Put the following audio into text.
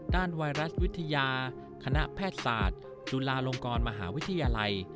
ไวรัสวิทยาคณะแพทย์ศาสตร์จุฬาลงกรมหาวิทยาลัย